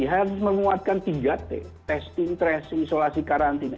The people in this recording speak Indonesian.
harus menguatkan tiga t testing tracing isolasi karantina